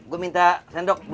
gue minta sendok sesuatu